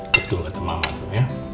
betul kata mama itu ya